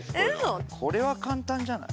これは簡単じゃない？